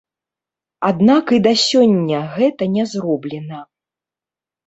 Аднак і да сёння гэта не зроблена.